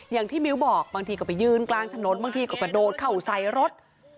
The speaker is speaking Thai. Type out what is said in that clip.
อย่างที่มิ้วบอกบางทีก็ไปยืนกลางถนนบางทีก็กระโดดเข้าใส่รถ